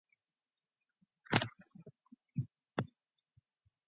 The main employer is Mainstream Norway with its salmon-processing plant.